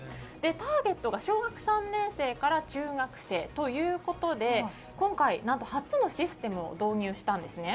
ターゲットが小学３年生から中学生ということで今回、何と初のシステムを導入したんですね。